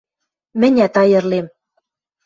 — Мӹнят айырлем...